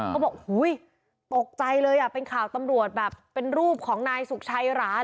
ก็บอกอุ้ยตกใจเลยเป็นข่าวตำรวจแบบเป็นรูปของนายสุขชัยหรา